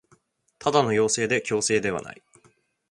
ただの要請で強制ではない